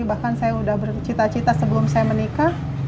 bahkan saya sudah bercita cita sebelum saya menikah